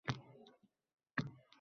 Sukunat — shoirning so’zlari.